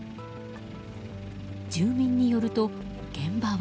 住民によると、現場は。